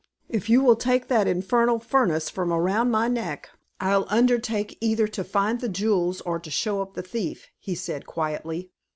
"If you will take that infernal furnace from around my neck, I'll undertake either to find the jewels or to show up the thief," he said quietly.